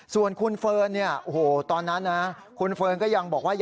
ส่วนคุณเฟิร์นเนี่ยโอโหตอนนั้นนะขุนเฟิร์นก็ยังบอกว่า